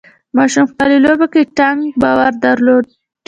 ماشوم په خپلې لوبې کې ټینګ باور درلود.